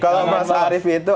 kalau mas arief itu